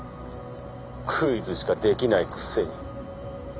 クイズしかできないくせに。